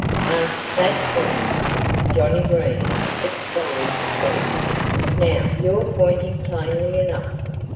"Ah! That's better!" Johnnie Green exclaimed then. "Now you're pointing plainly enough.